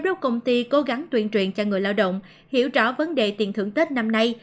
đi cố gắng tuyên truyền cho người lao động hiểu rõ vấn đề tiền thưởng tết năm nay